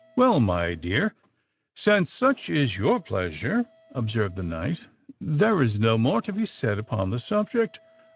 "Well, my dear, since such is your pleasure," observed the knight, "there is no more to be said upon the subject.